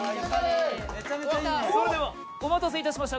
それではお待たせいたしました